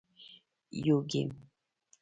- یو ګېم 🎮